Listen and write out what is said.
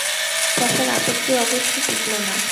চাচার আপত্তি অবশ্যি টিকল না।